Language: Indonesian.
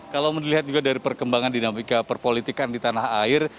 kalau dilihat juga dari perkembangan dinamika perpolitikan di tanah air